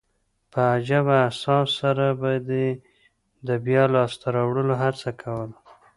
په عجبه احساس سره به دي يي د بیا لاسته راوړلو هڅه کول.